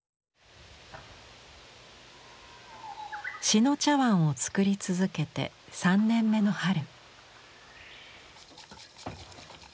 志野茶碗を作り続けて３年目の春。